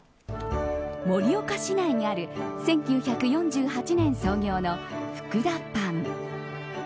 盛岡市内にある１９４８年創業の福田パン。